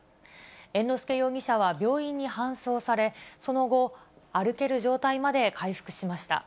猿之助容疑者は病院に搬送され、その後、歩ける状態まで回復しました。